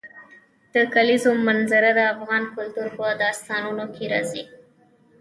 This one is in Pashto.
د کلیزو منظره د افغان کلتور په داستانونو کې راځي.